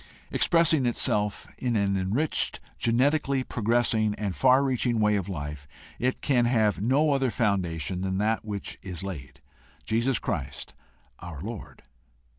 Expressing itself in an enriched, genetically progressing, and far reaching way of life, it can have no other foundation than that which is laid, Jesus Christ our Lord.